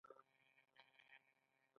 د لړم د زهر لپاره د هوږې ضماد وکاروئ